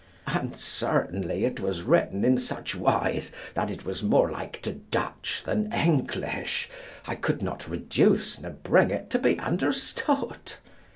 And certainly it was written in such wise that it was more like to Dutch than English, I could not reduce ne bring it to be understood.